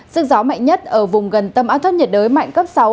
sức gió mạnh nhất ở vùng gần tâm áp thấp nhiệt đới mạnh cấp sáu